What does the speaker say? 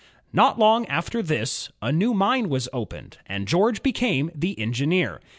Not long after this, a new mine was opened, and George became the engineer.